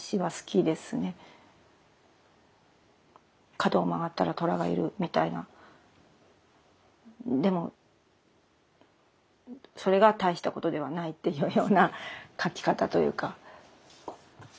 角を曲がったら虎がいるみたいなでもそれが大したことではないというような書き方というか。